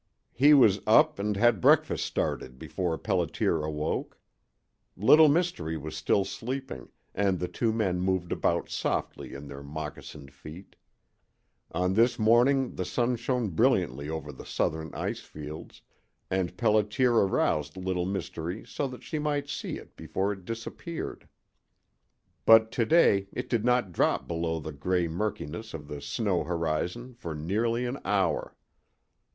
He was up and had breakfast started before Pelliter awoke. Little Mystery was still sleeping, and the two men moved about softly in their moccasined feet. On this morning the sun shone brilliantly over the southern ice fields, and Pelliter aroused Little Mystery so that she might see it before it disappeared. But to day it did not drop below the gray murkiness of the snow horizon for nearly an hour.